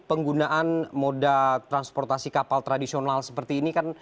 penggunaan moda transportasi kapal tradisional seperti ini kan